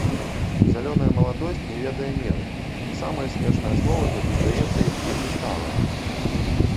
Зялёная маладосць не ведае меры, і самае смешнае слова тады здаецца як вельмі сталае.